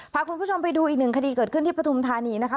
พาคุณผู้ชมไปดูอีกหนึ่งคดีเกิดขึ้นที่ปฐุมธานีนะคะ